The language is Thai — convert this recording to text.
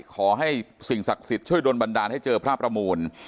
ขอให้สิ่งศักดิ์สิทธิ์ช่วยโดนบันดาลให้เจอพระประมูล